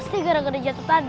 pasti gara gara jatuh tadi